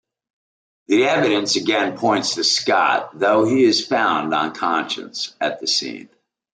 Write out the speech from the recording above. The evidence again points to Scott, though he is found unconscious at the scene.